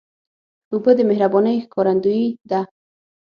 اوبه د مهربانۍ ښکارندویي ده.